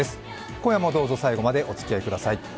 今夜もどうぞ最後までお付き合いください。